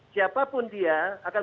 siapapun dia akan